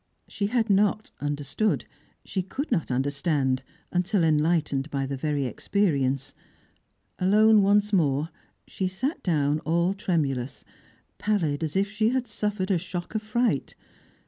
She had not understood; she could not understand, until enlightened by the very experience. Alone once more, she sat down all tremulous; pallid as if she had suffered a shock of fright.